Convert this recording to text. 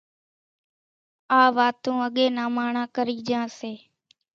آ واتون اڳيَ نان ماڻۿان ڪرِي جھان سي۔